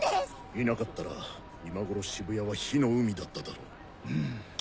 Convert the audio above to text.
いなかったら今頃渋谷は火の海だっただろう。